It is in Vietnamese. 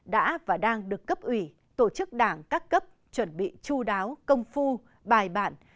đã và đang được cấp ủy tổ chức đảng các cấp chuẩn bị chú đáo công phu bài bản